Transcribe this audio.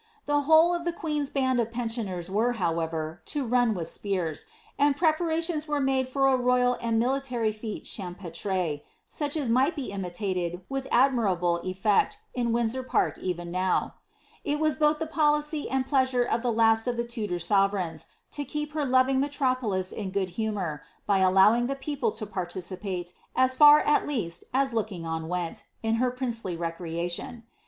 The whole of the queen^s band of pensioners were, however, to run with spears, and preparations were made for a royal and military fete champ^tre, such as might be imitated, with arimirabJe effect, in Windsor park even now. It was both the policy and pleasure of the last of the Tudor sovereigns, to keep her loving metropolis in good humour, by allowing the people to participate, as far at least as looking on went, in her princely recrea tions.